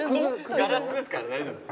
ガラスですから大丈夫です。